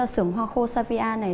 sưởng hoa khô xe vi a này